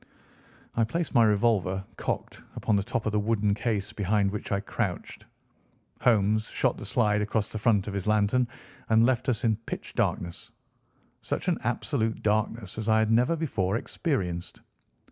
I placed my revolver, cocked, upon the top of the wooden case behind which I crouched. Holmes shot the slide across the front of his lantern and left us in pitch darkness—such an absolute darkness as I have never before experienced.